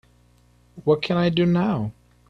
what can I do now?